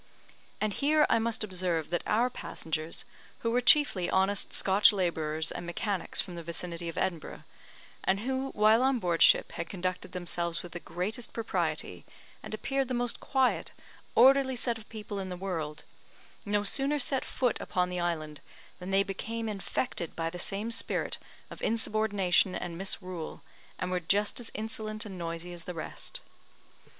And here I must observe that our passengers, who were chiefly honest Scotch labourers and mechanics from the vicinity of Edinburgh, and who while on board ship had conducted themselves with the greatest propriety, and appeared the most quiet, orderly set of people in the world, no sooner set foot upon the island than they became infected by the same spirit of insubordination and misrule, and were just as insolent and noisy as the rest.